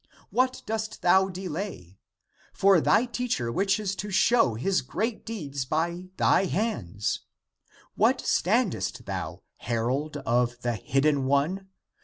What dost thou delay? For thy teacher wishes to show his great deeds by thy hands. What standest thou, herald of the hidden One?